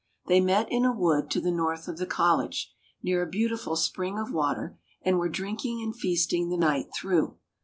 They met in a wood to the north of the college, near a beautiful spring of water, and were drinking and feasting the night through.